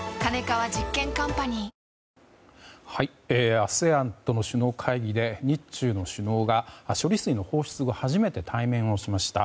ＡＳＥＡＮとの首脳会議で日中の首脳が、処理水の放出後初めて対面をしました。